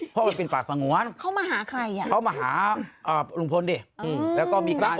พ่อมันเป็นป่าสงวรเนี่ย